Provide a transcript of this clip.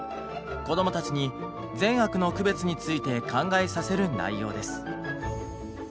こどもたちに善悪の区別について考えさせる内容です。